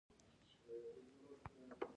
هغوی به د کارګرې طبقې غوښه او وینه وزبېښي